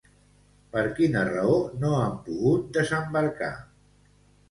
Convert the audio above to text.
Per quina raó no han pogut desembarcar?